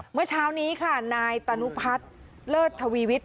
เมื่อเช้านี้ค่ะนายตานุพัฒน์เลิศทวีวิทย